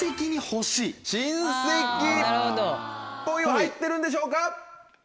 入ってるんでしょうか？